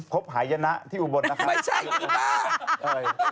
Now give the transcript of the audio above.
พบหายนะที่อุบลนะครับ